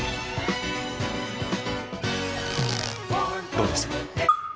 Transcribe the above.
どうです？